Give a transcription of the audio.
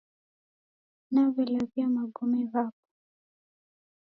Nawelawia Magome ghapo